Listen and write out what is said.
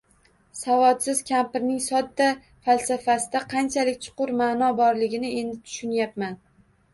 Savodsiz kampirning sodda falsafasida qanchalik chuqur ma’no borligini endi tushunyapman.